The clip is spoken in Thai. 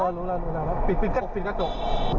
เออรู้แล้วรู้แล้วปิดกระจก